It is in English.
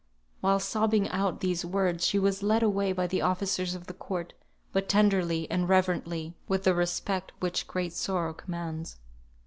While sobbing out these words she was led away by the officers of the court, but tenderly, and reverently, with the respect which great sorrow commands.